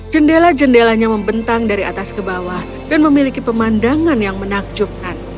jendela jendelanya membentang dari atas ke bawah dan memiliki pemandangan yang menakjubkan